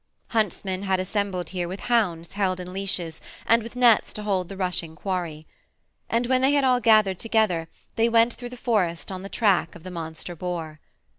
Huntsmen had assembled here with hounds held in leashes and with nets to hold the rushing quarry. And when they had all gathered together they went through the forest on the track of the monster boar.